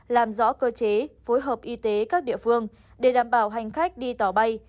làm rõ cơ chế phối hợp y tế các địa phương để đảm bảo hành khách đi tàu bay